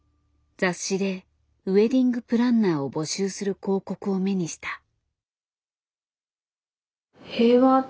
雑誌でウエディングプランナーを募集する広告を目にした。